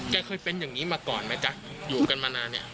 เคยเป็นอย่างนี้มาก่อนไหมจ๊ะอยู่กันมานานเนี่ย